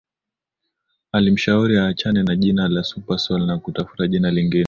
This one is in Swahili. Alimshauri aachane na jina la Supersoul na kutafuta jina jingine